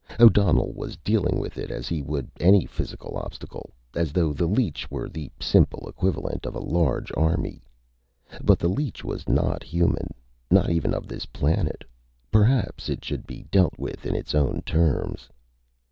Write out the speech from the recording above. O'Donnell was dealing with it as he would any physical obstacle, as though the leech were the simple equivalent of a large army. But the leech was not human, not even of this planet, perhaps. It should be dealt with in its own terms.